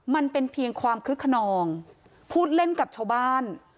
มันเป็นเพียงความคึกขนองพูดเล่นกับชาวบ้าน